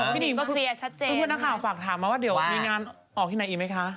พี่นิกส์เพื่อนนักข่าวฝากถามมาว่ามีงานออกที่ไหนอีกไหมคะ